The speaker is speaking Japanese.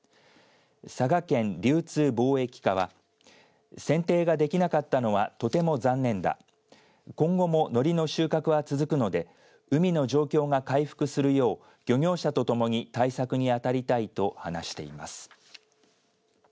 佐賀県流通・貿易課は選定ができなかったのはとても残念だ今後ものりの収穫は続くので海の状況が回復するよう漁業者と共に対策に当たりたいと話しています。